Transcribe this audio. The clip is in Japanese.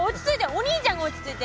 お兄ちゃんが落ち着いて！